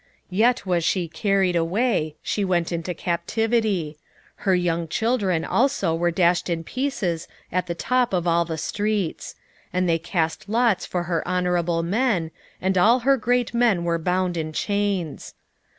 3:10 Yet was she carried away, she went into captivity: her young children also were dashed in pieces at the top of all the streets: and they cast lots for her honourable men, and all her great men were bound in chains.